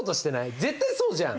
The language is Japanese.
絶対そうじゃん。